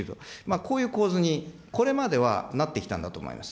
こういう構図に、これまではなってきたんだと思います。